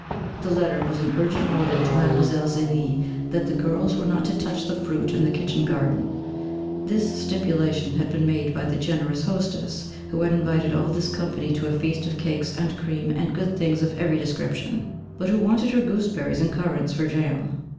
The letter was an urgent order to Mlle. Zélie that the girls were not to touch the fruit in the kitchen garden this stipulation had been made by the generous hostess, who had invited all this company to a feast of cakes and cream and good things of every description, but who wanted her gooseberries and currants for jam.